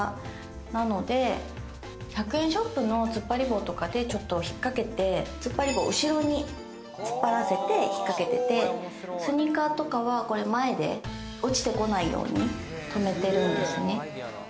なので、１００円ショップの突っ張り棒とかで引っ掛けて、つっぱり棒を後ろに引っ張らせて、引っ掛けてて、スニーカーとかは前で落ちてこないように、とめてるんですね。